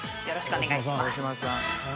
よろしくお願いします。